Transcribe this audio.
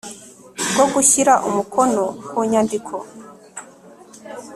bwo gushyira umukono ku nyandiko